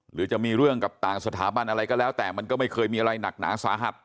หรือจะมีเรื่องกับต่างสถาบันอะไรก็แล้วแต่มันก็ไม่เคยมีอะไรหนักหนาสาหัส